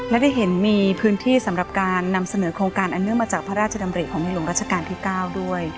และได้เห็นมีพื้นที่สำหรับการนำเสนอโครงการอันเนื่องมาจากพระราชดำริของในหลวงราชการที่๙ด้วย